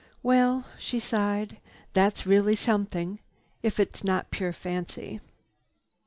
Well—" she sighed, "that's really something, if it's not pure fancy."